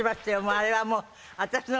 あれはもう。